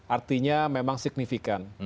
artinya memang signifikan